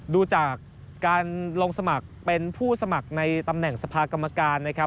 ดูจากการลงสมัครเป็นผู้สมัครในตำแหน่งสภากรรมการนะครับ